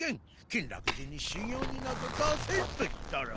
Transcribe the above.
金楽寺に修行になど出せんと言ったら。